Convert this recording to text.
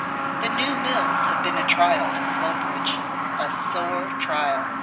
The new mills had been a trial to Slowbridge, a sore trial.